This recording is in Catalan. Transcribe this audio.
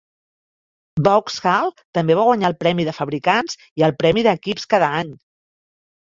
Vauxhall també va guanyar el Premi de Fabricants i el Premi d'Equips cada any.